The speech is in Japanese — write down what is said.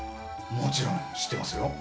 もちろん知ってますよ。